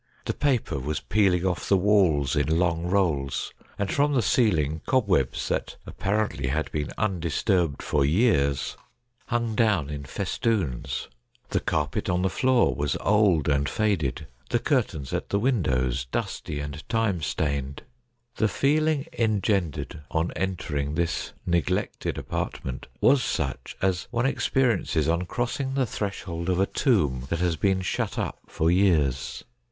The paper was peeling off the walls in long rolls, and from the ceiling cobwebs, that apparently had been undisturbed for years, hung down in THE CHINA DOG 127 festoons. The carpet on the floor was old and faded ; the curtains at the windows dusty and time stained. The feeling engendered on entering this neglected apart ment was such as one experiences on crossing the threshold of a tomb that has been shut up for years.